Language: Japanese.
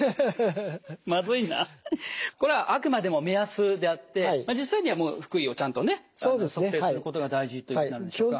これはあくまでも目安であって実際には腹囲をちゃんとね測定することが大事っていうことになるんでしょうか。